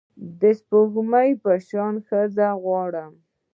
د سپوږمۍ په شان ښځه غواړم